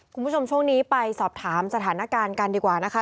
คุณผู้ชมช่วงนี้ไปสอบถามสถานการณ์กันดีกว่านะคะ